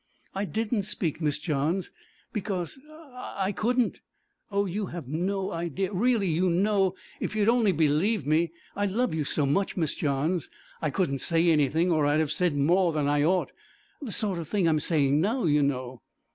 'I didn't speak, Miss Johns, because I I couldn't. Oh! you have no idea really, you know, if you'd only believe me I love you so much, Miss Johns, I couldn't say anything or I'd have said more than I ought, the sort of thing I'm saying now, you know.'